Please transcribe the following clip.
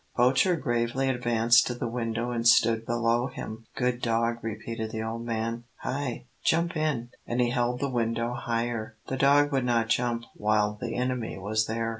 Poacher gravely advanced to the window and stood below him. "Good dog," repeated the old man. "Hi jump in," and he held the window higher. The dog would not jump while the enemy was there.